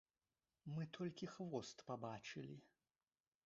Мы толькі хвост пабачылі.